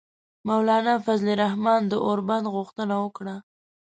مولانا فضل الرحمان د اوربند غوښتنه وکړه.